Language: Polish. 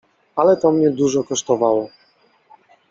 — Ale to mnie dużo kosztowało.